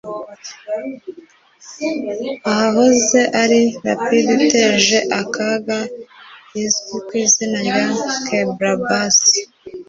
ahahoze ari rapide iteje akaga izwi ku izina rya kebrabassa